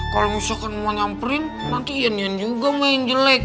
kalau misalkan mau nyamperin nanti yan yan juga yang main jelek